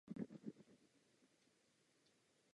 Používají jej zejména děti.